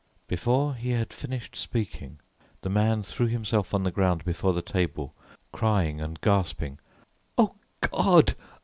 Before he had finished speaking, the man threw himself on the ground before the table, crying and grasping, "Oh, God!